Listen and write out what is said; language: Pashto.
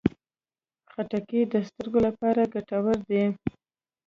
خټکی د سترګو لپاره ګټور دی.